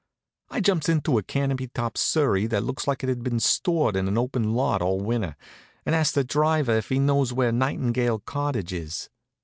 I jumps into a canopy top surrey that looks like it had been stored in an open lot all winter, and asks the driver if he knows where Nightingale Cottage is.